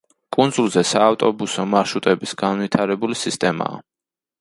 კუნძულზე საავტობუსო მარშრუტების განვითარებული სისტემაა.